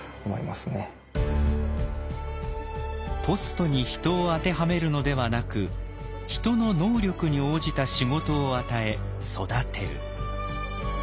ポストに人を当てはめるのではなく人の能力に応じた仕事を与え育てる。